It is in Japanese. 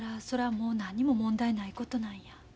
もう何にも問題ないことなんや。